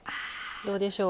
どうでしょう？